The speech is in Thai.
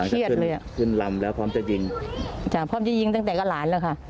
เครียดเลยอะพร้อมจะยิงจากพร้อมจะยิงตั้งแต่ก็หลานแล้วค่ะ